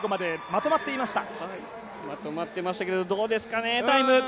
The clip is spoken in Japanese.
まとまってましたけどどうですかね、タイム。